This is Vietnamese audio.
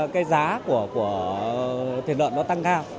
cái giá của thịt lợn nó tăng cao